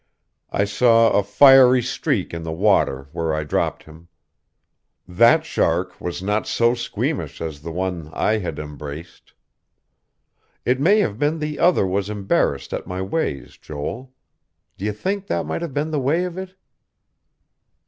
I saw a fiery streak in the water where I dropped him. That shark was not so squeamish as the one I had embraced. It may have been the other was embarrassed at my ways, Joel. D'ye think that might have been the way of it?"